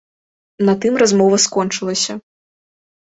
На тым размова скончылася.